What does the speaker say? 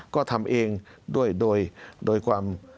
ก็ทำเองโดยความ